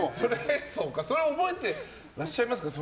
それ覚えてらっしゃいますか？